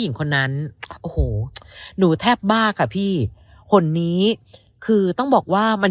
หญิงคนนั้นโอ้โหหนูแทบมากอ่ะพี่หนนี้คือต้องบอกว่ามัน